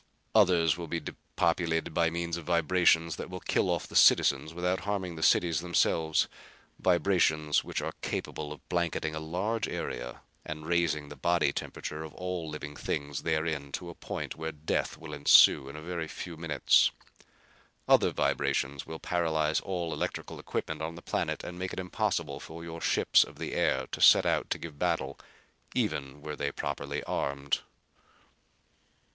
Others will be depopulated by means of vibrations that will kill off the citizens without harming the cities themselves vibrations which are capable of blanketing a large area and raising the body temperature of all living things therein to a point where death will ensue in a very few minutes. Other vibrations will paralyze all electrical equipment on the planet and make it impossible for your ships of the air to set out to give battle, even were they properly armed."